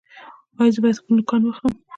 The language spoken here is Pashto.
ایا زه باید خپل نوکان واخلم؟